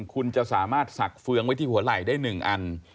คุณจะสามารถศักดิ์เฟืองไว้ที่หัวไหลได้หนึ่งอัน